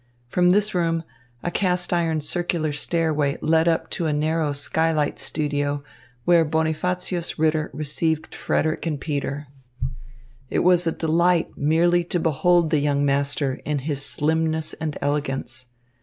From this room, a cast iron circular stairway led up to a narrow skylight studio, where Bonifacius Ritter received Frederick and Peter. It was a delight merely to behold the young master in his slimness and elegance.